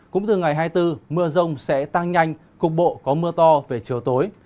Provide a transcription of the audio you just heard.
cũng từ ngày hai mươi bốn mưa rông sẽ tăng nhanh cục bộ có mưa to về chiều tối